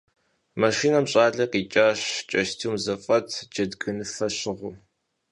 Машинэм щӀалэ къикӀащ кӀэстум зэфӀэт джэдгыныфэ щыгъыу.